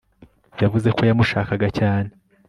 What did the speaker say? yavuze ko yamushakaga cyane